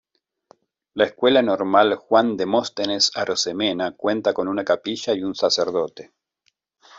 La Escuela Normal Juan Demóstenes Arosemena cuenta con una capilla y un sacerdote.